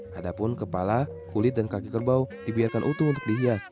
hadapun kepala kulit dan kaki kerbau dibiarkan utuh untuk dihias